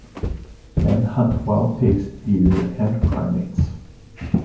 Men hunt wild pigs, deer and primates.